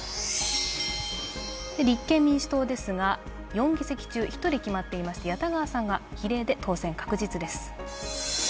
立憲民主党ですが、４議席中１人決まっていまして谷田川さんが比例で当選確実です。